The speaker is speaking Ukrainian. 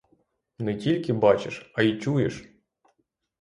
Не тільки бачиш, а й чуєш.